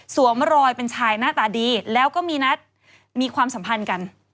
มรอยเป็นชายหน้าตาดีแล้วก็มีนัดมีความสัมพันธ์กัน